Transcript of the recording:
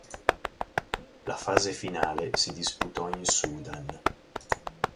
La fase finale si disputò in Sudan.